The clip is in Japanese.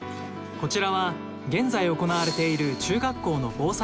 こちらは現在行われている中学校の防災訓練。